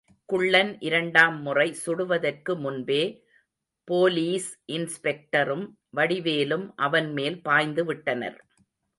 குள்ளன் இரண்டாம் முறை சுடுவதற்கு முன்பே, போலீஸ் இன்ஸ்பெக்டரும், வடிவேலும் அவன் மேல் பாய்ந்துவிட்டனர்.